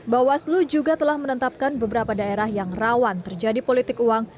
bawaslu juga telah menetapkan beberapa daerah yang rawan terjadi politik uang